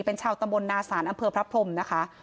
เป็นชาวตำบลนาศาลอำเภอพระพรมนะคะ